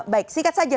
baik singkat saja